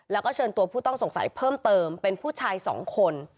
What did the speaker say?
แล้วก็เชิญตัวผู้ต้องสงสัยเพิ่มเติมเป็นผู้ชายสองคน